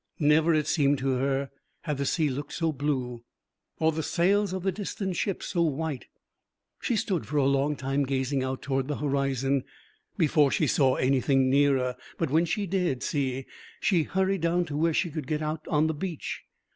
Never, it seemed to her, had the sea looked so blue or the sails of the distant ships so white. She stood for a long time gazing out toward the horizon before she saw anything nearer; but when she did see, she hurried down to where she could get out on the beach.